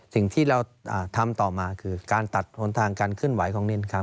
สิ่งที่เราทำต่อมาคือการตัดหนทางการเคลื่อนไหวของนินคำ